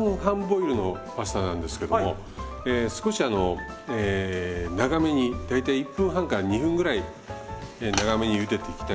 ボイルのパスタなんですけども少し長めに大体１分半から２分ぐらい長めにゆでていきたいなと思います。